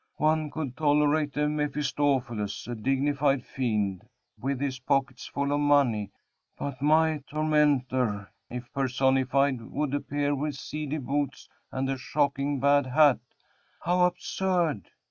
"One could tolerate a Mephistophiles a dignified fiend, with his pockets full of money but my tormentor, if personified, would appear with seedy boots and a shocking bad hat." "How absurd!"